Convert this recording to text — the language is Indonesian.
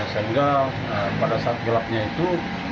sehingga pada saat gelapnya itu